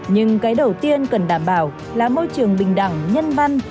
nhưng cái đầu tiên cần đảm bảo là môi trường bình đẳng nhân văn